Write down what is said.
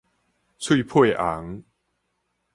喙䫌紅